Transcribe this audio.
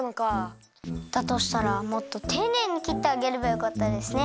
だとしたらもっとていねいにきってあげればよかったですね。